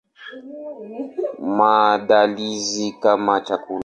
Maandalizi kama chakula.